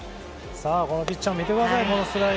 このピッチャー、見てください。